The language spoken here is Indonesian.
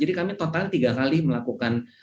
jadi kami total tiga kali melakukan